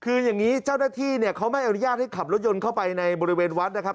คืออย่างนี้เจ้าหน้าที่เนี่ยเขาไม่อนุญาตให้ขับรถยนต์เข้าไปในบริเวณวัดนะครับ